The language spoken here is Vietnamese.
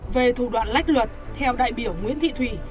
về thủ đoạn lách luật theo đại biểu nguyễn thị thủy